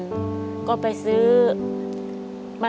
ผมคิดว่าสงสารแกครับ